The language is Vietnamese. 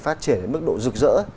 phát triển đến mức độ rực rỡ